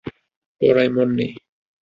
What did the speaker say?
পড়ায় মন নেই।